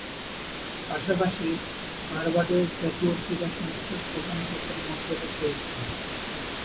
পাশাপাশি, বার্বাডোস জাতীয় ক্রীড়া সংস্থার প্রধান কোচের মর্যাদা পেয়েছেন।